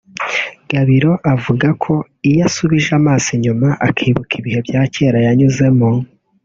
Gabiro avuga ko iyo asubije amaso inyuma akibuka ibihe bya kera yanyuzemo